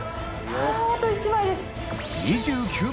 あぁあと１枚です。